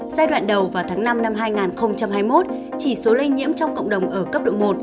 giai đoạn đầu và tháng năm năm hai nghìn hai mươi một chỉ số lây nhiễm trong cộng đồng ở cấp độ một